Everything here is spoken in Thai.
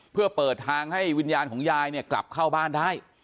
เพื่อเปิดทางให้วิญญาณของยายเนี่ยกลับเข้าบ้านได้